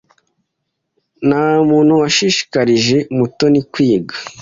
Ntamuntu washishikarije Mutoni kwiga.